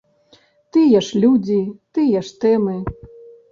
Тыя ж людзі, тыя ж тэмы.